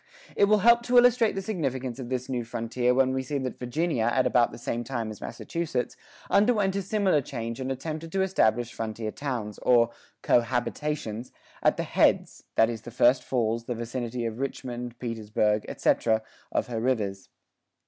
It will help to illustrate the significance of this new frontier when we see that Virginia at about the same time as Massachusetts underwent a similar change and attempted to establish frontier towns, or "co habitations," at the "heads," that is the first falls, the vicinity of Richmond, Petersburg, etc., of her rivers.